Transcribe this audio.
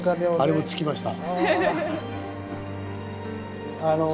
あれもつきました。